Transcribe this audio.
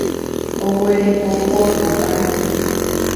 Oguereko poapy ary.